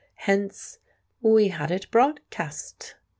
Hence we had it broadcast.